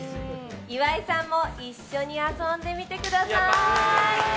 岩井さんも一緒に遊んでみてください。